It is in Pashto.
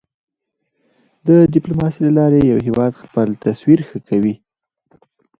د ډیپلوماسی له لارې یو هېواد خپل تصویر ښه کوی.